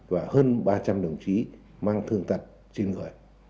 và hơn ba trăm linh đồng chí mang thương tật trên người